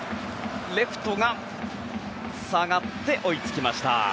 レフトが下がって追いつきました。